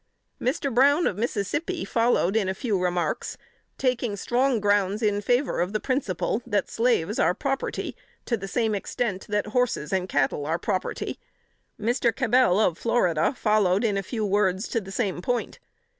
Mr. Brown, of Mississippi, followed in a few remarks, taking strong ground in favor of the principle, that slaves are property, to the same extent that horses and cattle are property. Mr. Cabel, of Florida, followed in a few words to the same point.